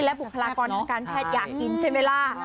และบุคลากรทางการแพทย์อยากกินใช่ไหมล่ะ